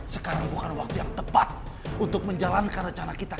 sekarang bukan waktu yang tepat untuk menjalankan rencana kita